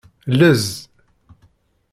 Llez.